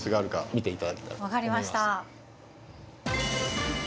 分かりました。